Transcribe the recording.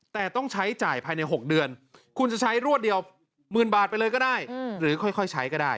แต่ต้องใช้จ่ายภายใน๖เดือนคุณจะใช้รวดเดียวหมื่นบาทไปเลยก็ได้หรือค่อยใช้ก็ได้